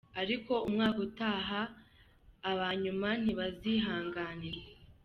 Ariko umwaka utaha aba nyuma ntibazihanganirwa.